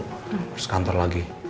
terus kantor lagi